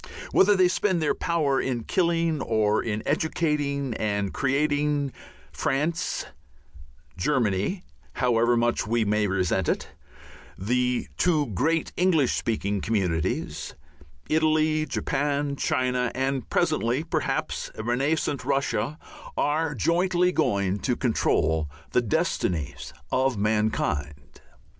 Whether they spend their power in killing or in educating and creating, France, Germany, however much we may resent it, the two great English speaking communities, Italy, Japan China, and presently perhaps a renascent Russia, are jointly going to control the destinies of mankind.